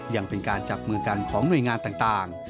ยังเป็นการจับมือกันของหน่วยงานต่าง